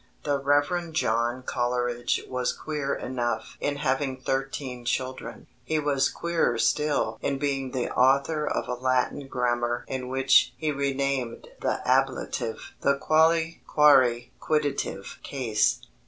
The Rev. John Coleridge was queer enough in having thirteen children: he was queerer still in being the author of a Latin grammar in which he renamed the "ablative" the "quale quare quidditive case."